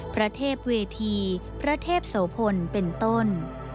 ประเทศเวทีพระเทพโสพลเป็นต้น